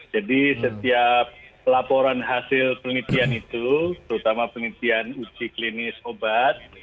jadi setiap laporan hasil penelitian itu terutama penelitian uji klinis obat